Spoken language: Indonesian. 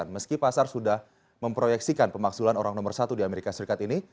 meski pasar sudah memproyeksikan pemaksulan orang nomor satu di amerika serikat ini